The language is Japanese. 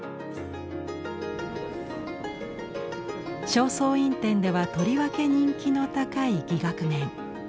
「正倉院展」ではとりわけ人気の高い「伎楽面」。